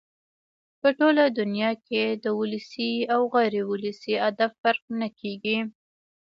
په ټوله دونیا کښي د ولسي او غیر اولسي ادب فرق نه کېږي.